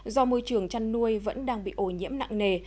do môi trường chăn nuôi vẫn đang bị ô nhiễm nặng nề